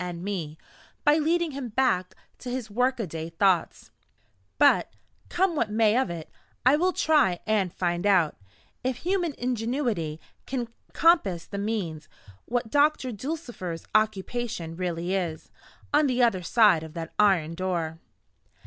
It is a dangerous and an uncertain experiment; but, come what may of it, I will try and find out, if human ingenuity can compass the means, what Doctor Dulcifer's occupation really is, on the other side of that iron door.